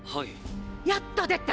やっと出た！